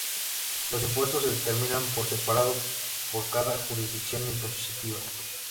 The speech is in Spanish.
Los impuestos se determinan por separado por cada jurisdicción impositiva.